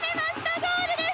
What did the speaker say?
ゴールです。